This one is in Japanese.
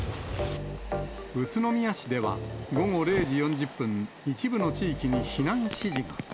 宇都宮市では午後０時４０分、一部の地域に避難指示が。